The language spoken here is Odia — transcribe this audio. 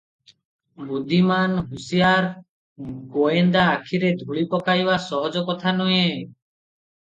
ବୁଦ୍ଧିମାନ ହୁସିଆର ଗୋଏନ୍ଦା ଆଖିରେ ଧୂଳି ପକାଇବା ସହଜକଥା ନୁହେଁ ।